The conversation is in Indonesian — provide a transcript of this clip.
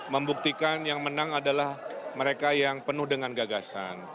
membuktikan yang menang adalah mereka yang penuh dengan gagasan